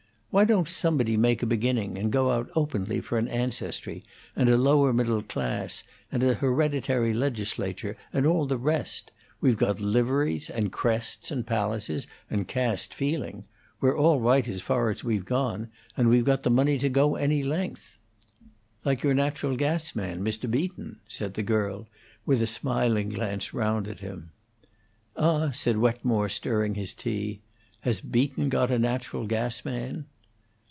Why don't somebody make a beginning, and go in openly for an ancestry, and a lower middle class, and an hereditary legislature, and all the rest? We've got liveries, and crests, and palaces, and caste feeling. We're all right as far as we've gone, and we've got the money to go any length." "Like your natural gas man, Mr. Beaton," said the girl, with a smiling glance round at him. "Ah!" said Wetmore, stirring his tea, "has Beaton got a natural gas man?"